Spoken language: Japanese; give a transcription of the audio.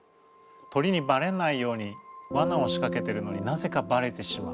鳥にバレないようにわなを仕かけてるのになぜかバレてしまう。